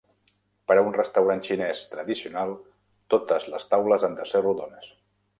Per a un restaurant xinès tradicional, totes les taules han de ser rodones.